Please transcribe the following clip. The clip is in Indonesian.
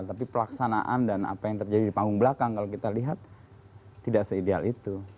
tapi pelaksanaan dan apa yang terjadi di panggung belakang kalau kita lihat tidak se ideal itu